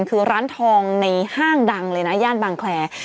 คือร้านทองในห้างดังเลยนะย่านบางแคร์